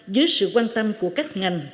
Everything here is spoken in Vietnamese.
dưới sự quan tâm của các ngành